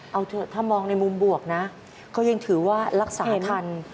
เอาเถอะถ้ามองในมุมบวกนะก็ยังถือว่ารักษาทัน